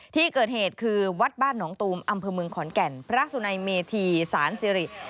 ที่เกิดเหตุคือวัดบ้านหนองตูมอำเภอเมืองขอนแก่นพระสุนัยเมธีสารสิริ